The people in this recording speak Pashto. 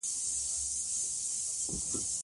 د سبزیجاتو په اړه: